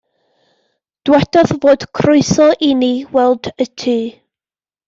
Dywedodd fod croeso inni weld y tŷ.